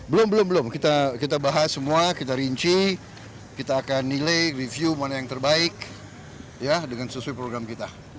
belum belum belum kita bahas semua kita rinci kita akan nilai review mana yang terbaik ya dengan sesuai program kita